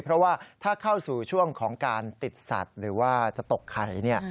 เพราะว่าถ้าเข้าสู่ช่วงของการติดสัตว์หรือว่าจะตกไข่